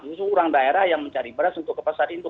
justru orang daerah yang mencari beras untuk ke pasar induk